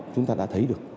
chúng ta đã thấy được